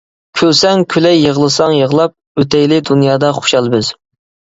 كۈلسەڭ كۈلەي يىغلىساڭ يىغلاپ، ئۆتەيلى دۇنيادا خۇشال بىز.